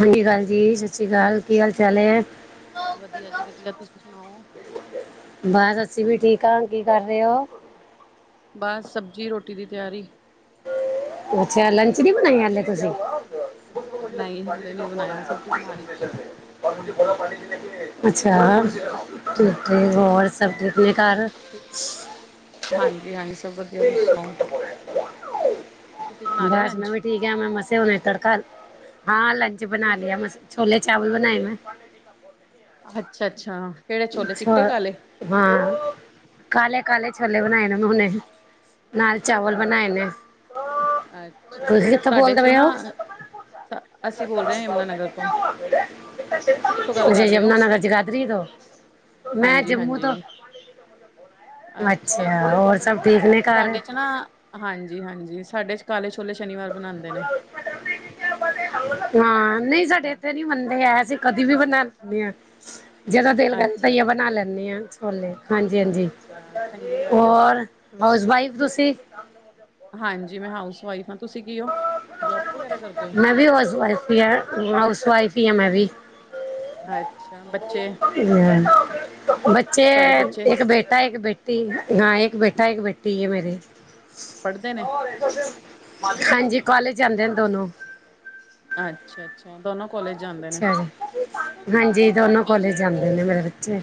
Hangi ਕਾਲ ਜੀ, ਸਤਿ ਸ਼੍ਰੀ, ਅਕਾਲ ਕੀ ਹਾਲ-ਚਾਲ ਏ? ਵਧੀਆ ਜੀ ਵਧੀਆ, ਤੁਸੀਂ ਸੁਨਾਓ। ਬਾਰ ਅਸੀ ਵੀ ਠੀਕ ਆ, ਕੀ ਕਰ ਰੇਓ? ਬੱਸ ਸਬਜ਼ੀ ਰੋਟੀ ਦੀ ਤਿਆਰੀ। ਅੱਛਾ, ਲੰਚ ਨੀ ਬਣਾਇਆ ਹਾਲੇ ਤੁਸੀਂ? ਇੱਕ ਮਿੰਟ ਨਹੀਂ ਬਾਟੀ ਜੀ ਹਲੇ ਕਾ ਨਹੀਂ ਫੋਨ ਆ, ਬਣਾਇਆ ਸਬਜ਼ੀ ਬਣਾ ਰਹੀ ਸੀ ਸਪੈਸ਼ਲ ਕਾਲ ਅੱਛਾ, ਝੁਠੇ ਹੋਰ। ਸਭ ਠੀਕ ਨੇ ਘਰ? ਹਾਂਜੀ-ਹਾਂਜੀ ਸਭ ਵਧੀਆ, ਤੁਸੀ ਸੁਨਾਓ। ਬਸ, ਮੈਂ ਵੀ ਠੀਕ। ਮੈਂ ਹੁਣੇ ਤੜਕਾ ਹਾਂ, ਲੰਚ ਬਣਾ ਲਿਆ ਮੈਂ ਛੋਲੇ-ਚਾਵਲ ਬਣਾਏ ਮੈਂ। ਅੱਛਾ-ਅੱਛਾ। ਹਾਂ ਕਾਲੇ-ਕਾਲੇ ਛੋਲੇ ਬਣਾਏ ਨੇ ਮੈਂ ਹੁਣੇ। ਨਾਲ ਚਾਵਲ ਬਣਾਏ ਨੇ। ਅੱਛਾ ਤੁਸੀ ਅੱਛਾ ਕਿੱਥੋਂ ਸਾਡੇ ਬੋਲਦੇ ਚ ਨਾ ਪਏਓ? ਅਸੀਂ ਬੋਲ ਰਹੇ ਹਾਂ ਯਮੁਨਾ ਨਗਰ ਤੋਂ ਤੁਸੀਂ ਕਿੱਥੋਂ ਗੱਲ ਕਰ ਰਹੇ ਹੋ ਯਮੁਨਾਨਗਰ ਯਗਾਤਰੀ ਤੋਂ? [inaudible] ਮੈਂ ਹਾਂਜੀ ਜੰਮੂ ਤੋਂ, ਹਾਂਜੀ ਹੋਰ ਅੱਛਾ ਅੱਛਿਆ ਤੁਸੀਂ ਹੋਰ ਜੰਮੂ ਸਭ ਤੋਂ। ਠੀਕ ਨੇ ਘਰ। ਸਾਡੇ ਹਾਂਜੀ ਹਾਂਜੀ, ਸਾਡੇ ਚ ਕਾਲੇ ਛੋਲੇ ਸ਼ਨੀਵਾਰ ਬਣਾਂਦੇ ਨੇ। [inaudible] ਹਾਂ ਨਈਂ ਸਾਡੇ ਏਥੇ ਨੀ ਮੰਨਦੇ ਹੈਂ, ਅਸੀਂ ਕਦੀ ਵੀ ਬਣਾ ਲੈਂਨੇ ਆਂ। ਜਦੋਂ ਦਿਲ ਕਰੇ ਅੱਛਾ ਧਈਆ ਬਣਾ ਅੱਛਾ ਲੈਨੀ ਆ। ਹਾਂਜੀ-ਹਾਂਜੀ, ਅੱਛਾ ਚਾਚਾ ਚੰਗੀ ਜੀ ਗੱਲ ਹੈ ਹੋਰ ਹਾਊਸ ਵਾਈਫ ਤੁਸੀਂ- ਹਾਂਜੀ, ਮੈਂ ਹਾਊਸ ਵਾਈਫ ਹਾਂ। ਤੁਸੀਂ ਕੀ ਹੋ ਜੋਬ ਬਗੈਰਾ ਕਰਦੇ ਹੋ। ਮੈਂ ਵੀ ਹਾਊਸ ਵਾਈਫ ਹੀ ਆ। ਹਾਊਸ ਵਾਈਫ ਹੀ ਆ ਮੈਂ ਵੀ ਅੱਛਾ, ਬੱਚੇ ਬੱਚੇ, ਤੁਹਾਡੇ ਬੱਚੇ ਇੱਕ ਬੇਟਾ -ਇੱਕ ਬੇਟੀ ਹਾਂ। ਇੱਕ ਬੇਟਾ ਹੈ- ਇੱਕ ਬੇਟੀ ਹੈ। ਮੇਰੇ ਪੜ੍ਹਦੇ ਨੇ ਹਾਂਜੀ, ਕਾਲਜ ਜਾਂਦੇ ਨੇ ਦੋਨੋ। ਅੱਛਾ-ਅੱਛਾ, ਦੋਨੋ ਕੋਲਜ ਜਾਂਦੇ ਨੇ। ਅੱਛਾ ਜੀ ਹਾਂਜੀ, ਦੋਨੋ ਕੋਲਜ ਜਾਂਦੇ ਨੇ। ਮੇਰੇ ਬੱਚੇ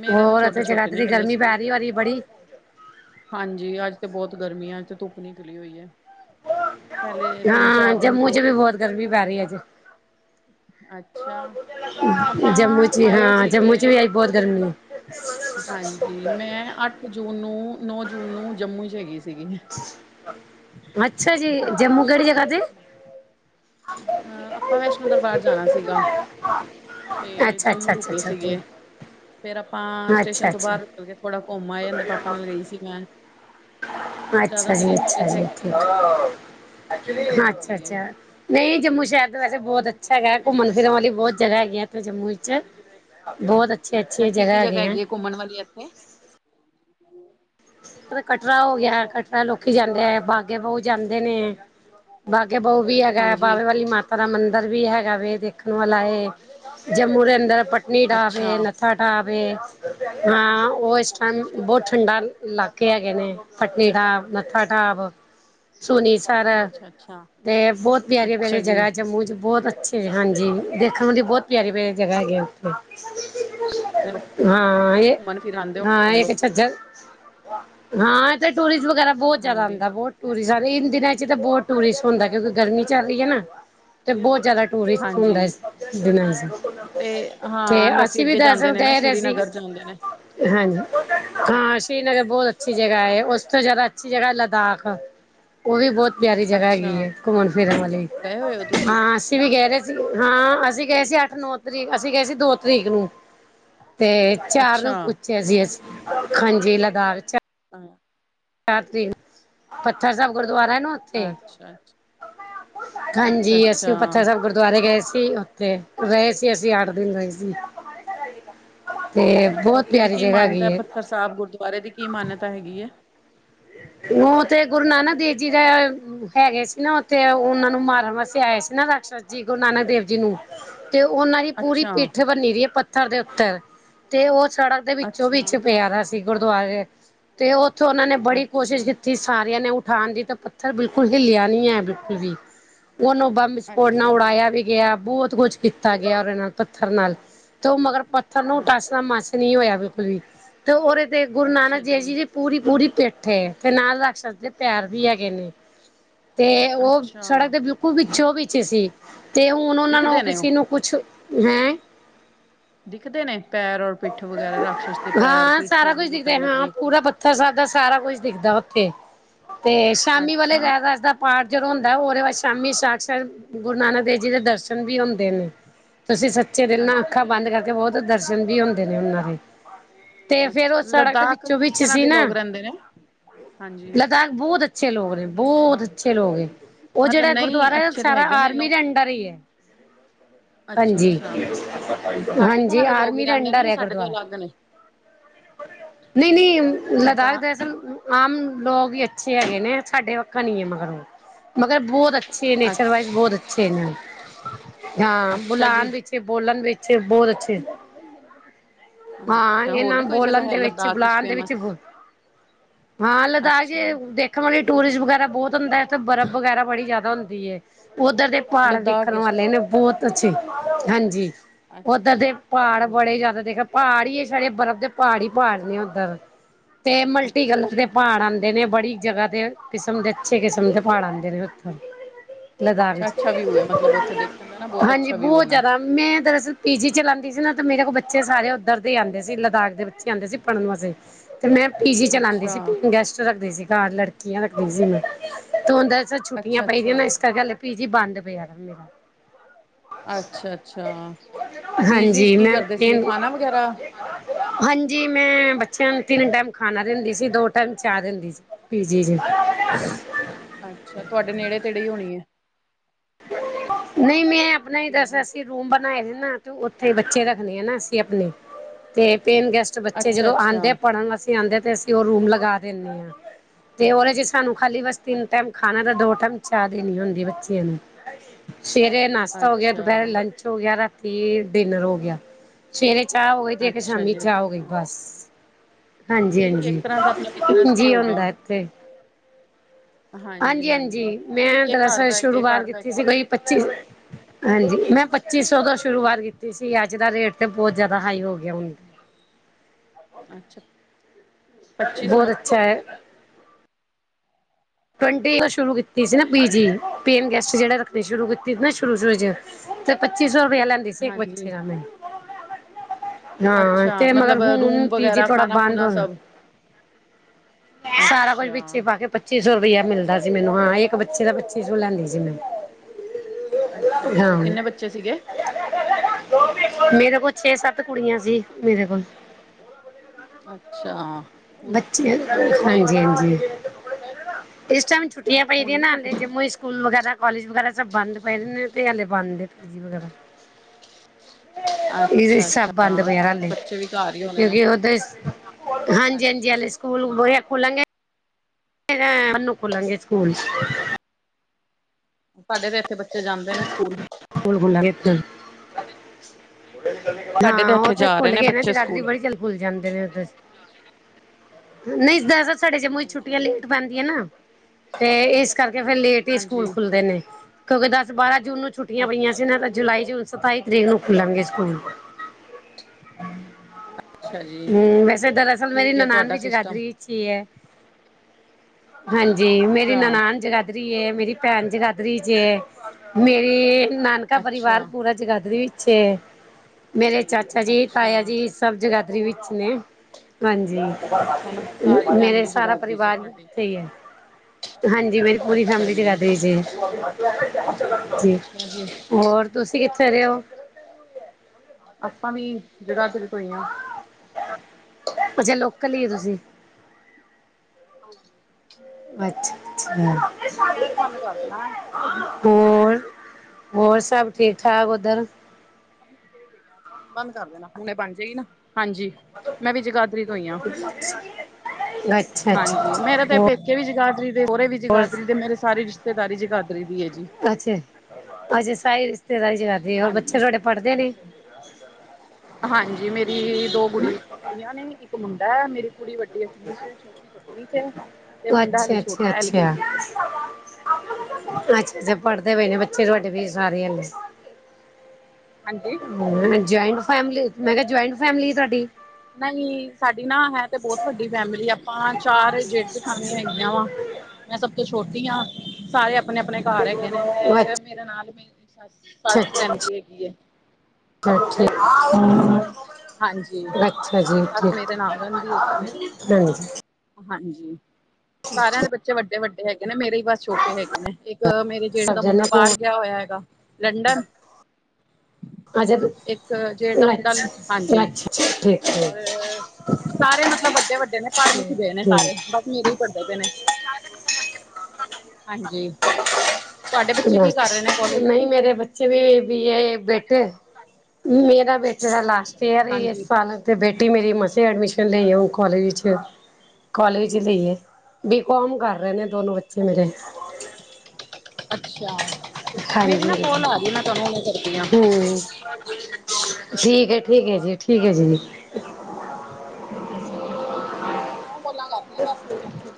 ਮੇਰੇ ਤਾਂ ਹੋਰ ਛੋਟੇ ਉਥੇ ਛੋਟੇ ਨੇ ਜਗਾਦਰੀ ਹਲੇ ਗਰਮੀ ਪੈ ਸਕੂਲ ਰਹੀ ਜਾਂਦੇ ਵਾਰੀ ਬੜੀ ਹਾਂਜੀ, ਅੱਜ ਤੇ ਬਹੁਤ ਗਰਮੀਆ ਚ, ਧੁੱਪ ਨਿਕਲੀ ਹੋਈ ਹੈ। ਪਹਿਲੇ ਹਾਂ ਤਿੰਨ-ਚਾਰ ਦਿਨ ਜੰਮੂ ਚ ਵੀ ਬਹੁਤ ਗਰਮੀ ਬਾਹਰੀ ਆ ਅੱਜ ਅੱਛਾ ਆਪਾਂ ਜੰਮੂ ਚ, ਆਏ ਹਾਂ, ਜੰਮੂ ਸੀਗੇ ਚ, ਵੀ ਅੱਜ ਬਹੁਤ ਗਰਮੀ ਆ। ਹਾਂਜੀ, ਮੈਂ ਅੱਠ ਜੂਨ ਨੂੰ ਨੌ ਜੂਨ ਨੂੰ ਜੰਮੂ ਚ, ਹੈਗੀ ਸੀਗੀ। ਅੱਛਾ ਜੀ, ਹਾਂਜੀ ਜੰਮੂ ਕਿਹੜੀ ਜਗ੍ਹਾ ਤੇ। ਅਹ, ਆਪਾਂ ਵੈਸ਼ਨੂੰ ਦਰਬਾਰ ਜਾਣਾ ਸੀਗਾ। ਤੇ ਅੱਛਾ ਅੱਛਾ ਜੰਮੂ ਅੱਛਾ ਰੁਕੇ ਅੱਛਾ ਸੀਗੇ। ਠੀਕ ਫੇਰ ਆਪਾਂ ਅੱਛਾ ਸਟੇਸ਼ਨ ਤੋਂ ਅੱਛਾ ਬਾਹਰ ਚਲ ਕੇ ਥੋੜਾ ਘੁੰਮ ਆਏ, ਇਦੇਂ ਪਾਪਾ ਨਾਲ ਗਈ ਸੀ ਮੈਂ। ਜ਼ਿਆਦਾ ਅੱਛਾ ਤੇ ਜੀ ਨੀ -ਅੱਛਾ ਨੌਲੇਜ ਜੀ, ਹੈਗੀ ਠੀਕ ਜੰਮੂ ਬਾਰੇ ਹਾਂਜੀ ਅੱਛਾ-ਅੱਛਾ ਨਹੀਂ, ਜੰਮੂ ਸ਼ਹਿਰ ਤਾਂ ਵੈਸੇ ਬਹੁਤ ਤੁਸੀਂ ਅੱਛਾ ਹੈਗਾ। ਘੁੰਮਣ ਫਿਰਨ ਵਾਲੀ ਬਹੁਤ ਜਗ੍ਹਾ ਹੈਗੀਆ। ਇੱਥੇ ਜੰਮੂ ਚ, ਬਹੁਤ ਅੱਛਾ ਅੱਛੀਆ-ਅੱਛੀਆ ਕੀ ਕੀ ਜਗ੍ਹਾ ਹੈਗੀਆ ਹੈ।। ਹੈਗੀ ਘੁੰਮਣ ਵਾਲੀ ਇੱਥੇ ਹ ਕਟਰਾ ਹੋ ਗਿਆ। ਕਟਰਾ ਲੋਕੀ ਜਾਂਦੇ ਬਾਗੇ ਬਹੁ ਜਾਂਦੇ ਨੇ। ਬਾਗੇ ਬੋਹ ਵੀ ਹੈਗਾ। ਹਾਂਜੀ ਬਾਾਹਵੇ ਵਾਲੀ ਮਾ ਮਾਤਾ ਮੰਦਿਰ ਵੀ ਹੈਗਾ ਵੇ, ਦੇਖਣ ਵਾਲਾ ਏ ਜੰਮੂ ਦੇ ਅੰਦਰ ਪਟਨੀਟਾਪ ਅੱਛਾ ਏ ਟਾ ਪੇ ਏ ਹਾਂ। ਉਹ ਇਸ ਟਾਈਮ ਅੱਛਾ ਬਹੁਤ ਠੰਡਾ ਇਲਾਕੇ ਹੈਗੇ ਨੇ, ਪਟਨੀਟਾਪ, ਨੱਥਾ ਟਾਪ, ਸੋਨੀ ਸਾਰਾ ਅੱਛਾ ਤੇ ਬਹੁਤ ਅੱਛਾ ਪਿਆਰੀਆਂ-ਪਿਆਰੀਆਂ ਜੀ ਜਗ੍ਹਾ ਜੰਮੂ ਚ ਬਹੁਤ ਅੱਛੀ ਹਾਂਜੀ, ਦੇਖਣ ਨੂੰ ਬਹੁਤ ਪਿਆਰੀਆਂ-ਪਿਆਰੀਆਂ ਜਗ੍ਹਾ ਹੈਗੀਆਂ। ਉੱਥੇ ਹਾਂ। ਇਹ ਘੁੰਮਣ ਫਿਰ ਆਉਂਦੇ ਹਾਂ ਹੋ ਇੱਕ ਲੋਕੀ ਝੱਜਰ ਹਾਂ। ਇੱਥੇ ਟੂਰਿਸਟ ਵਗੈਰਾ ਬਹੁਤ ਜ਼ਿਆਦਾ ਹਾਂਜੀ ਆਂਦਾਂ। ਬਹੁਤ ਜਾਨੀ ਇਨ ਦਿਨਾਂ ਚ, ਤਾਂ ਬਹੁਤ ਟੂਰਿਸਟ ਹੁੰਦਾ। ਕਿਉਂਕਿ ਗਰਮੀ ਚੱਲ ਰਹੀ ਹੈ। ਨਾ ਤੇ ਬਹੁਤ ਜ਼ਿਆਦਾ ਪੂਰੀ ਹਾਂਜੀ ਸੁੁੰਦਾਰ ਦਿਨਾਂ [unintelligible] ਤੇ ਤੇ ਹਾਂ। ਲੋਕੀ ਅਸੀਂ ਵੀ ਅੱਗੇ ਜਾਂਦੇ ਦਰਅਸਲ ਨੇ ਨਾ, ਗਏ ਦੇ ਸੀ ਸ੍ਰੀਨਗਰ ਜਾਂਦੇ ਨੇ। ਹਾਂ, ਹਾਂਜੀ ਜੀ ਸ਼੍ਰੀਨਗਰ ਬਹੁਤ ਅੱਛੀ ਜਗ੍ਹਾ ਹੈ। ਉਸ ਤੋਂ ਜ਼ਿਆਦਾ ਅੱਛੀ ਜਗ੍ਹਾ ਲਦਾਖ ਉਹ ਵੀ ਬਹੁਤ ਪਿਆਰੀ ਜਗ੍ਹਾ ਅੱਛਾ ਹੈਗੀ ਆ। ਘੁੰਮਣ ਫਿਰਨ ਵਾਲੀ ਗਏ ਹੋਏ ਹੋ ਤੁਸੀਂ ਹਾਂ। ਅਸੀਂ ਵੀ ਗਹਿ ਰਹੇ। ਹਾਂ। ਅਸੀਂ ਗਏ ਸੀ ਅੱਠ- ਨੌ ਤਰੀਕ ਅਸੀਂ ਗਏ ਸੀ। ਦੋ ਤਰੀਕ ਨੂੰ ਤੇ ਚਾਰ ਅੱਛਾ ਨੂੰ ਪੁੱਛਿਆ ਸੀ। ਅਸੀ ਹਾਂਜੀ ਲਦਾਖ ਹਾਂ। ਚਾਰ ਤਰੀਕ ਨੂੰ ਪੱਥਰ ਸਾਹਿਬ ਗੁਰਦੁਆਰਾ ਨਾ। ਅੱਛਾ ਹਾਂਜੀ, ਅੱਛਾ ਅਸੀਂ ਅੱਛਾ ਪੱਥਰ ਸਾਹਿਬ ਗੁਰਦੁਆਰੇ ਗਏ ਸੀ। 'ਤੇ ਗਏ ਸੀ, ਅਸੀਂ ਅੱਠ ਦਿਨ ਰਹੇ ਸੀ। 'ਤੇ ਬੋਤ ਪਿਆਰੀ ਜਗ੍ਹਾ ਹੈਗੀ ਏ। ਸਾਹਬ ਗੁਰਦੁਆਰੇ ਦੀ ਕੀ ਮਾਨੰਤਾ ਹੈਗੀ ਏ? ਓ 'ਤੇ ਗੁਰੂ ਨਾਨਕ ਦੇਵ ਜੀ ਦਾ ਹੈਗੇ ਸੀ ਨਾ ਉੱਥੇ, ਉਨਾ ਨੂੰ ਮਾਰਨ ਵਾਸਤੇ ਆਏ ਸੀ ਨਾ ਰਾਕਸ਼ਸ਼, ਜੀ ਗੁਰੂ ਨਾਨਕ ਦੇਵ ਜੀ ਨੂੰ? 'ਤੇ ਓਨਾਂ ਦੀ ਪੂਰੀ ਅੱਛਾ ਪਿੱਠ ਬੰਨੀ ਦੀ ਏ ਪੱਥਰ ਦੇ ਉੱਤਰ, ਤੇ ਓਹ ਸੜਾ ਦੇ ਵਿੱਚੋਂ ਅੱਛਾ ਵਿੱਚ ਪਿਆ ਦਾ ਸੀ ਗੁਰਦੁਆਰੇ, 'ਤੇ ਓਥੋਂ ਉਨਾਂ ਨੇ ਬੜੀ ਕੋਸ਼ਿਸ਼ ਅੱਛਾ ਕੀਤੀ। ਜੀ,, ਸਾਰਿਆਂ ਨੇ ਉਠਾਨ ਦੀ ਤਾਂ ਪੱਥਰ ਬਿਲਕੁਲ ਹਿੱਲਿਆ ਨੀ ਐ, ਬਿਲਕੁਲ ਵੀ। ਓਨੂੰ ਬ ਸਪੋਟ ਨਾ ਅੱਛਾ ਜੀ ਉਡਾਇਆ ਵੀ ਗਿਆ, ਬੋਤ ਕੁੱਛ ਕੀਤਾ ਗਿਆ ਉਦੇ ਨਾਲ ਪੱਥਰ ਨਾਲ, ਤੇ ਉਹ ਮਗਰ ਪੱਥ ਸਾਨੂੰ ਅ ਟਸ ਦਾ ਮਸ ਨੀ ਹੋਇਆ ਬਿਲਕੁਲ ਵੀ, 'ਤੇ ਓਦੇ 'ਤੇ ਗੁਰੂ ਨਾਨਕ ਦੇਵ ਜੀ ਦੀ ਪੂਰੀ-ਪੂਰੀ ਭੇ 'ਤੇ ਫਿਰ ਨਾਲ ਰਖ ਸਕਦੇ ਪਿਆਰ ਵੀ ਹੈਗੇ ਨੇ, 'ਤੇ ਉਹ ਅੱਛਾ ਸੜਕ ਦੇ ਬਿਲ ਓ ਵਿੱਚੋਂ- ਵਿੱਚ ਸੀ, 'ਤੇ ਹੁਨ ਉਨਾਂ ਦਿਖਦੇ ਨੂੰ ਨੇ ਉਹ ਕਿਸੀ ਨੂੰ ਕੁਛ ਮੈਂ ਦਿਖਦੇ ਨੇ, ਪੈਰ ਔਰ ਪਿੱਠ ਵਗੈਰਾ ਰਾਕਸ਼ਸ਼ ਦੇ ਪੈਰ-ਪਿੱਠ ਹੋ ਗਈ ਗੁਰੂ ਨਾਨਕ ਦੇਵ ਜੀ। ਤਾ ਸਾਡਾ ਸਾਰਾ ਕੁਝ ਦਿਖਦਾ ਉੱਥੇ, ਤੇ ਸ਼ਾਮੀ ਵਾਲੇ ਅੱਛਾ ਰੈਹਿਰਾਸ ਦਾ ਪਾਠ ਜਦੋਂ ਹੁੰਦੈ, ਉਹਦੇ ਬਾਦ ਸ਼ਾਮੀ ਸਾਕਸ਼ਾਤ, ਗੁਰੂ ਨਾਨਕ ਦੇਵ ਜੀ ਦੇ ਦਰਸ਼ਨ ਵੀ ਹੁੰਦੇ ਨੇ। ਤੁਸੀਂ ਸੱਚੇ ਦਿਲ ਨਾਲ ਅੱਖਾਂ ਅੱਛਾ ਬੰਦ ਕਰਕੇ, ਬੋਤ ਦਰਸ਼ਨ ਵੀ ਹੁੰਦੇ ਨੇ ਉਨਾਂ ਦੇ। ਤੇ ਫਿਰ ਅੱਛਾ ਉਹ ਸੜਕ ਦੇ ਲਦਾਖ ਵਿੱਚੋਂ- ਕਿਸ ਵਿੱਚ ਤਰ੍ਹਾਂ ਸੀ ਦੇ ਨਾ। ਲੋਕ ਰਹਿੰਦੇ ਨੇ ਹਾਂਜੀ ਲਗਾ, ਬੋਤ ਅੱਛੇ ਲੋਗ ਨੇ, ਬੋਤ ਅੱਛੇ ਲੋਗ ਨੇ। ਉਹ ਮਤਲਬ ਜੇੜਾ ਨਹੀਂ ਗੁਰਦੁਆਰਾ ਅੱਛੇ ਤੇ ਸਾਰਾ, ਹੈਗੇ ਨੇ ਆਰਮੀ ਨੋ ਦੇ ਅੰਡਰ ਈ ਏ। ਅੱਛਾ ਅੱਛਾ ਹਾਂਜੀ- ਸਾਡੀ ਹਾਂਜੀ, ਤਰ੍ਹਾਂ ਲੋਕ ਹੀ ਆਰਮੀ ਦੇ ਰਹਿੰਦੇ ਨੇ ਅੰਡਰ ਜਾਂ ਐ ਸਾਡੇ ਤੋਂ ਗੁਰਦੁਆਰਾ। ਅਲੱਗ ਨੇ ਨਈ- ਨਈ, ਲਦਾਖ ਦੈ। ਆਮ ਲੋਕ ਈ ਅੱਛੇ ਹੈਗੇ ਨੇ, ਸਾਡੇ ਵਾਕਨ ਨੀ ਐ ਮਗਰ। ਮਗਰ ਬੋਤ ਅੱਛੇ ਨੇਚਰ ਅੱਛਾ ਵਾਈਜ ਬੋਤ ਅੱਛੇ ਨੇ, ਹਾਂ, ਅੱਛਾ ਜੀ ਬੁਲਾਨ ਵਿੱਚ। ਬੋਲਨ ਵਿੱਚ ਬੋਤ ਅੱਛੇ। ਹਾਂ, ਅੱਛਾ ਹੋਰ ਇਨਾਂ ਵੀ ਨੂੰ ਕੋਈ ਜਗ੍ਹਾ ਬੋਲਨ ਹੈ ਦੇ ਵਿੱਚ, ਲੱਦਾਖ ਬੁਲਾਨ ਦੇ ਵਿੱਚ ਫੇਮਸ ਹਾਲੇ ਤਾਂ ਜੀ, ਅੱਛਾ ਦੇਖਨ ਵਾਲੀ ਟੂਰਿਜ਼ ਵਗੈਰਾ ਬੋਤ ਹੁੰਦੈ, 'ਤੇ ਬਰਫ ਵਗੈਰਾ ਬੜੀ ਜਾਦਾ ਹੁੰਦੀ ਏ। ਓਧਰ ਦੇ ਪਹਾੜ ਲੱਦਾਖ ਦਿਖਨ ਵਿੱਚ ਵਾਲੇ ਨੇ ਬੋਤ ਅੱਛੇ, ਹਾਂਜੀ। ਅ ਓੱਧਰ ਦੇ ਪਹਾੜ ਅ ਬੜੇ ਜਾਦਾ ਦੇਖ ਪਹਾੜ ਈ ਏ ਸਾਰੇ, ਬਰਫ਼ ਦੇ ਪਹਾੜ ਈ ਪਹਾੜ ਨੇ ਓੱਧਰ, 'ਤੇ ਮਲਟੀ- ਅੱਛਾ ਕਲਰ ਜੀ ਦੇ ਪਹਾੜ ਆਂਦ। ਏਨੇ ਬੜੀ ਜਗ੍ਹਾ 'ਤੇ, ਕਿਸਮ ਦੇ ਅੱਛੇ ਕਿਸਮ ਦੇ ਪਹਾੜ ਆਂਦੇ ਨੇ ਉੱਥੋਂ। ਲਦਾਖ ਅੱਛਾ ਵਿੱਚ, ਅੱਛਾ ਵਿਊ ਹੈ ਮਤਲਬ ਉੱਥੇ ਦੇਖਣ ਦਾ ਨਾ ਬਹੁਤ ਹਾਂ ਜੀ, ਅੱਛਾ ਵਿੱਚ ਵਿਊ ਬੋਤ ਹੋਣਾ ਜਾਦਾ। ਮੈਂ ਦਰਅਸਲ ਪੀਜੀ ਚਲਾਂਦੀ ਸੀ ਨਾ, ਤਾਂ ਮੇਰੇ ਕੋਲ ਬੱਚੇ ਸਾਰੇ ਕਰਦੇ ਆਂਦੇ ਸੀ, ਲਦਾਖ ਦੇ ਬੱਚੇ ਆਂਦੇ ਸੀ ਪੜਨ ਵਾਸਤੇ। 'ਤੇ ਮੈਂ ਪੀਜੀ ਚਲਾਂਦੀ ਅੱਛਾ ਸੀ, ਗੈਸਟ ਰੱਖਦੀ ਸੀ, ਘਰ ਲੜਕੀਆਂ ਰੱਖਦੀ ਸੀ ਮੈਂ। ਤੂੰ ਦੱਸ, ਛੁੱਟੀਆਂ ਅੱਛਾ ਪਈ ਦੀਆਂ ਅੱਛਾ ਨਾ, ਇਸ ਕਰਕੇ ਹਲੇ ਪੀਜੀ ਬੰਦ ਪਿਆ ਮੇਰਾ। ਅੱਛਾ-ਅੱਛਾ, ਪੀਜ਼ੀ 'ਚ ਹਾਂਜੀ ਕੀ ਮੈਂ ਕਰਦੇ ਸੀਗੇ? ਤਿੰਨ ਖਾਨਾ ਵਗੈਰਾ? ਹਾਂਜੀ, ਮੈਂ ਬੱਚਿਆਂ ਨੂੰ ਤਿੰਨ ਟੈਮ ਖਾਨਾ ਦਿੰਦੀ ਸੀ, ਦੋ ਟੈਮ ਚਾਅ ਦਿੰਦੀ ਸੀ। ਪੀਜੀ ਜੀ। ਅੱਛਾ, ਤੁਹਾਡੇ ਨੇੜੇ-ਤੇੜੇ ਈ ਹੋਣੀ ਏ। ਨਈ, ਮੈ ਆਪਨਾ ਈ ਦਸੇਆ ਪੀਜੀ ਸੀ। ਰੂਮ ਬਨਾਏ ਸੀ ਨਾ, 'ਤੇ ਉੱਥੇ ਬੱਚੇ ਰੱਖਨੇ ਆ ਨਾ ਅਸੀਂ ਆਪਨੇ, 'ਤੇ ਤਿੰਨ ਗੈਸਟ ਬੱਚੇ ਅੱਛਾ ਜਦੋਂ ਅੱਛਾ ਆਂਦੇ ਪੜ੍ਹਨ ਵਾਸ ਆਂਦੇ 'ਤੇ ਅਸੀਂ ਉਹ ਰੂਮ ਲਗਾ ਦਿੰਨੇ ਆ, 'ਤੇ ਉਹਦੇ 'ਚ। ਸਾਨੂੰ ਖਾਲੀ ਬਸ ਤਿੰਨ ਟੈਮ ਖਾਨਾ ਤਾਂ ਦੋ ਟੈਮ ਚਾਅ ਦੇਨੀ ਹੁੰਦੀ ਬੱਚਿਆਂ ਨੂੰ। ਸਵੇਰੇ ਨਾਸ਼ਤਾ ਹੋ ਗਿਆ, ਅੱਛਾ ਦੁਪਹਿਰੇ ਲੰਚ ਹੋ ਗਿਆ, ਰਾਤੀ ਡਿਨਰ ਹੋ ਗਿਆ। ਸਵੇਰੇ ਚਾਅ ਹੋ ਗਈ ਤੇ ਇੱਕ ਤੇ ਅੱਛਾ ਸ਼ਾਮੀ ਜੀ ਚਾਅ ਹੋ ਗਈ, ਅੱਛਾ ਬਸ। ਹਾਂਜੀ- ਠੀਕ ਹੈ ਹਾਂਜੀ ਇੱਕ ਤਰ੍ਹਾਂ ਦਾ ਆਪਣਾ ਬਿਜਨਸ ਵੀ ਜੀ ਹੋ ਗਿਆ ਹੁੰਦਾ ਏਥੇ। ਹਾਂਜੀ- ਹਾਂਜੀ ਮੈਂ ਠੀਕ ਹੈ ਘਰ ਦਰਅਸਲ ਬਹਿ ਕੇ ਸ਼ੁਰੂਆਤ ਘਰ ਬਹਿ ਕੀਤੀ ਕੇ ਸੀ ਮਈ ਪੱਚੀ ਹਾਂਜੀ ਮੈਂ ਪੱਚੀ ਸੋ ਤੋਂ ਸ਼ੁਰੂਆਤ ਕੀਤੀ ਸੀ ਅੱਜ ਦਾ ਰੇਟ ਤੇ ਬੋਤ ਜਾਦਾ ਹਾਈ ਹੋ ਗਿਆ ਹੁਨ। ਅੱਛਾ ਪੱਚੀ ਸੌ ਬੋਤ ਅੱਛਾ ਐ। ਟਵੇਂਟੀ ਤੋਂ ਸ਼ੁਰੂ ਕੀਤੀ ਸੀ ਮੈ ਪੀ- ਜੀ ਪੇਨ ਗੈਸਟ ਜੇੜਾ ਰੱਖਨੇ ਸ਼ੁਰੂ ਕੀਤੇ ਸੀ ਮੈ ਸ਼ੁਰੂ-ਸ਼ੁਰੂ ਚ ਤੇ ਪੱਚੀ ਸੌ ਰੁਪਇਆ ਲੈਂਦੀ ਸੀ ਇੱਕ ਬੱਚੇ ਹਾਂਜੀ ਦਾ ਮੈ। ਹਾਂ, ਅੱਛਾ ਤੇ ਮਗਰ ਮਤਲਬ ਰੂਮ ਹੁਣ ਪੀ- ਜੀ ਵਗੈਰਾ ਥੋੜਾ ਖਾਣਾ ਬੰਦ ਖੁਣਾ ਹੋਣਾ ਸਭ ਸਾਰਾ ਕੁਛ ਅੱਛਾ ਵੀਚੇ ਪਾ ਕੇ ਪੱਚੀ ਸੌ ਰੁਪਇਆ ਮਿਲਦਾ ਸੀ ਮੈਨੂੰ, ਹਾਂ ਇੱਕ ਬੱਚੇ ਦਾ ਪੱਚੀ ਸੌ ਰੁਪਈਆ ਲੈਂਦੀ ਸੀ ਮੈਂ। ਅੱਛਾ- ਅੱਛਾ ਹਾਂ ਕਿੰਨੇ ਬੱਚੇ ਸੀਗੇ। ਮੇਰੇ ਕੋਲ ਛੇ ਸੱਤ ਕੁੜੀਆਂ ਸੀ ਮੇਰੇ ਕੋਲ। ਅੱਛਾ ਹੁਣ ਬੱਚੇ ਹੁਣ ਇਸ ਟਾਈਮ ਹਾਂਜੀ, ਹਾਂਜੀ ਇਸ ਟਾਈਮ ਛੁੱਟੀ। ਛੁੱਟੀਆਂ ਪਈ ਹੁਣ ਦੀ ਵੀ ਨਾ ਹਾਲੇ ਰੱਖਦੇ ਜੰਮੂ ਸਕੂਲ ਵਗੈਰਾ ਕਾਲਜ ਵਗੈਰਾ ਸਭ ਬੰਦ ਪਏ ਨੇ ਤੇ ਹਲੇੇ ਬੰਦ ਨੇ ਪੀ-ਜੀ ਵਗੈਰਾ। ਇਵੇ ਅੱਛਾ ਸਭ ਅੱਛਾ ਬੰਦ ਪਯਾ ਹਾਲੇ ਬੱਚੇ ਵੀ ਘਰ ਹੀ ਹੋਣੇ ਨੇ ਕਿਉਂਕਿ ਓਦੇ ਹਾਂਜੀ, ਹਾਂਜੀ ਅੱਛਾ ਹਾਲੇ ਸਕੂਲ ਅੱਛਾ ਵੋਆ ਖੁੱਲਣਗੇ ਅਅ ਮਨੂੰ ਖੁੱਲ੍ਹਣ ਗੇ ਸਕੂਲ। ਸਾਡੇ ਤੇ ਏਥੇ ਬੱਚੇ ਜਾਂਦੇ ਨੇ ਸਕੂਲ। ਬਲ ਗੁੱਲ ਕੇ [unintelligible] ਸਾਡੇ ਤੇ ਹਾਂ ਇੱਥੇ ਉੱਥੇ ਜਾ ਰਹੇ ਖੁੱਲ ਨੇ ਗਏ ਨਾ ਬੱਚੇ ਚਗਾਦਰੀ ਸਕੂਲ ਬੜੀ ਜਲਦ ਖੁਲ ਜਾਂਦੇ ਨੇ ਓਦਰ। ਨਈ ਵੈਸੇ ਸਾਡੇ ਜੰਮੂ ਚ ਛੁੱਟੀਆਂ ਹਾਂਜੀ ਲੇਟ ਪੈਂਦੀਆਂ ਨਾ। ਤੇ ਇਸ ਕਰਕੇ ਫੇਰ ਲੇਟ ਹੀ ਹਾਂਜੀ ਸਕੂਲ ਖੁੱਲਦੇ ਨੇ। ਕਿਉਂਕਿ ਦਸ ਬਾਰਾਂ ਜੂਨ ਨੂੰ ਛੁੱਟੀਆਂ ਅੱ ਪਈਆਂ ਸੀ ਨਾ ਤਾਂ ਜੁਲਾਈ ਚ। ਸਤਾਈ ਤਰੀਕ ਨੂੰ ਖੁੱਲਣਗੇ ਸਕੂਲ। ਅੱਛਾ ਜੀ ਹੂੰ ਵੈਸੇ ਦਰਅਸਲ ਮੇਰੀ ਠੀਕ ਹੈ ਨਨਾਨ ਤੁਹਾਡਾ ਵੀ ਸਿਸਟਮ ਸਈ ਅ ਹਾਂਜੀ ਮੇਰੀ ਅੱਛਾ ਨਨਾਨ ਜਗਾਧ ਰੀ ਮੇਰੀ ਪੈਨ ਜਗਾਦਰੀ ਚ ਏ। ਮੇਰੀ ਨਾਨੀ ਪੇਕਾ ਅੱਛਾ ਪਰਿਵਾਰ ਪੂਰਾ ਜਗਾਦਰੀ ਚ ਐ। ਮੇਰੇ ਚਾਚਾ ਜੀ ਤਾਯਾ ਅੱਛਾ ਜੀ ਸਭ ਜਗਾਦਰੀ ਵਿੱਚ ਨੇ, ਹਾਂਜੀ। ਅੱਛਾ ਮਤਲਬ ਸਾਰੀ [unintelligible] ਮੇਰੇ ਫੈਮਿਲੀ ਸਾਰਾ ਜਗਾਦਰੀ ਚ ਪਰਿਵਾਰ ਤੁਹਾਡੀ ਉੱਥੇ ਹੀ ਅ। ਹਾਂਜੀ ਮੇਰੀ ਪੂਰੀ ਅੱਛਾ ਫੈਮਿਲੀ ਜੀ ਜਗਾਦਰੀ ਵਿੱਚ ਏ। ਜੀ ਹੋਰ ਤੁਸੀਂ ਕਿੱਥੇ ਦੇ ਓ। ਆਪਾਂ ਵੀ ਜਗਾਦਰੀ ਤੋਂ ਈ ਆ। ਅੱਛਾ ਲੋਕਲ ਇ ਓ ਤੁਸੀਂ। ਹਾਂ ਜੀ। ਅੱਛਾ ਅੱ ਜੀ ਗੈਸ ਛਾ ਬੰਦ ਕਰ ਦੇਣਾ ਹੈ ਬੰਦ ਕਰ ਹੋਰ। ਹੋਰ ਸਭ ਠੀਕ ਠਾਕ ਓਧਰ ਬੰਦ ਕਰ ਦੇਨਾ ਹੁਨੇ ਬਨ ਜੇਗੀ ਨਾ। ਹਾਂਜੀ ਮੈਂ ਵੀ ਜਗਾਦਰੀ ਤੋਂ ਇ ਆ। ਅੱਛਾ ਹਾਂਜੀ ਅੱਛਾ ਮੇਰਾ ਤੇ ਹੋਰ ਪੇਕੇ ਵੀ ਜਗਾਦਰੀ ਦੇ, ਸੋਰੇ ਵੀ ਹੋਰ ਜਗਾਦਰੀ ਦੇ, ਮੇਰੀ ਸਾਰੀ ਰਿਸ਼ਤੇਦਾਰੀ ਜਗਾਦਰੀ ਦੀ ਏ ਜੀ। ਅੱਛਾ- ਅੱਛਾ ਸਾਰੀ ਰਿਸ਼ਤੇਦਾਰੀ ਜਗਾਧਰੀ ਏ, ਬੱਚੇ ਹਾਂਜੀ ਤੁਆਡੇ ਪੜਦੇ ਨੀ। ਹਾਂਜੀ, ਮੇਰੀ ਦੋ ਗੁਡੀਆ ਕੁੜੀਆਂ ਨੇ ਇੱਕ ਮੁੰਡਾ ਏ, ਮੇਰੀ ਕੁੜੀ ਵੱਡੀ ਵਡੀ ਅੱਠਵੀ ਚ ਛੋਟੀ ਸਤਵੀ ਚ ਤੇ ਮੁੰਡਾ ਹਲੇੇ ਅੱਛਾ ਅੱਛਾ ਛੋਟਾ ਹੈ ਐਲ- ਕੇ- ਅੱਛਾ ਜੀ ਚ। ਹਾਂਜੀ ਅੱਛਾ ਅੱਛਾ ਪੜ੍ਹਦੇ ਪਏ ਨੇ ਬੱਚੇ ਤੁਆਡੇ ਵੀ ਸਾਰਿਆ ਦੇ। ਹਾਂਜੀ। ਹੁਣ ਜਆਇੰਟ ਫੈਮਿਲੀ ਮੈਂ ਕੈਆ ਜੁਆਇੰਟ ਫੈਮਿਲੀ ਸਾਡੀ ਨਈ ਸਾਡੀ ਨਾ ਹੈ ਤੇ ਬੋਤ ਵੱਡੀ ਫੈਮਿਲੀ ਆਪਾਂ ਚਾਰ ਜੇਠ-ਜਠਾਣੀਆਂ ਹੈਗੀਆਂ ਵਾ। ਮੈਂ ਸਭ ਤੋਂ ਛੋਟੀ ਆ ਸਾਰੇ ਅਪ ਅਪਣੇ-ਅਪਣੇ ਕਾੱਰ ਹੈਗੇ ਨੇ ਮੈਂ ਮੇਰੇ ਨਾਲ ਵੀ ਮੇਰੀ ਸੱਸ-ਸੱਸ ਰੈਂਦੀ ਹੈਗੀ ਏ। ਸਬ ਠੀਕ ਹੂੰ ਹਾਂਜੀ, ਸੱਸ ਮੇਰੇ ਨਾਲ ਰੈਂਦੀ ਹੈਗੀ ਏ। ਹਾਂਜੀ ਹਾਂਜੀ ਸਾਰਿਆਂ ਦੇ ਬੱਚੇ ਵੱਡੇ-ਵੱਡੇ ਹੈਗੇ ਨੇ ਮੇਰੇ ਈ ਬਸ ਛੋਟੇ ਹੈਗੇ ਨੇ ਏਕ ਮੇਰੇ ਜੇਠ ਸਭ ਦਾ ਮੁੰਡਾ ਜਣੇ ਬਾਰ ਕੋਲ ਗਿਆ ਹੋਯਾ ਹੈਗਾ ਲੰਡਨ ਅੱਛਾ ਏਕ ਜੇਠ ਦਾ ਮੁੰਡਾ ਹਾਂਜੀ, ਔਰ ਸਾਰੇ ਮਤਲਬ ਵੱ ਬੱਚੇ ਵੱਡੇ ਨੇ ਪੜ੍ਹ ਲਿਖ ਗਏ ਨੇ ਸਾਰੇ ਬਸ ਮੇਰੇ ਈ ਪੜ੍ਹਦੇ ਪਏ ਨੇ। [unintelligible] ਹਾਂਜੀ। ਤੁਹਾਡੇ ਬੱਚੇ ਕੀ ਕਰ ਰਹੇ ਬਸ ਨੇ ਕਾਲਜ ਨਈ ਵਿੱਚ ਮੇਰੇ ਬੱਚੇ ਬੱਚੇ ਵੀ ਬੀ ਏ ਬੇਟੇ, ਮੇਰਾ ਬੇਟੇ ਦਾ ਲਾਸਟ ਈਅਰ ਈ ਏ ਹਾਂਜੀ ਇਸ ਸਾਲ ਤੇ ਬੇਟੀ ਮੇਰੀ ਮਸੇ ਐਡਮਿਸ਼ਨ ਲਈ ਐ ਉ ਕਾਲਜ ਇੱਚ ਕਾਲਜ ਚ ਲਈਏ, ਬੀ ਕੋਮ ਕਰ ਰੈ ਨੇ ਦੋਨੋ ਬੱਚੇ ਮੇਰੇ। ਅੱਛਾ। ਮੇਰੀ ਨਾ ਹਾਂਜੀ-ਹਾਂਜੀ, ਕੋਲ ਆ ਰਹੀ ਮੈਂ ਤੁਹਾਨੂੰ ਹੁਣੇ ਕਰਦੀ ਹਾਂ ਹੂੰ। ਠੀਕ ਐ-ਠੀਕ ਐ ਜੀ-ਠੀਕ ਐ ਜੀ। ਦੋ ਬੋਲਾਂ ਕਰਨੀਆਂ ਦਸ ਪਿੰਡਾਂ ਚੋ